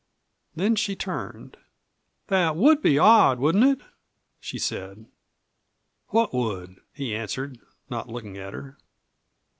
Then she turned. "That would be odd, wouldn't it?" she said. "What would?" he answered, not looking at her.